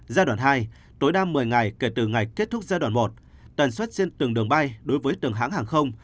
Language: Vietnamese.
giai đoạn hai tối đa một mươi ngày kể từ ngày kết thúc giai đoạn một tần suất trên từng đường bay đối với từng hãng hàng không